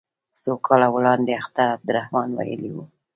څو کاله وړاندې اختر عبدالرحمن ویلي وو.